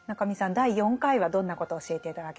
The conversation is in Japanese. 第４回はどんなことを教えて頂けますか？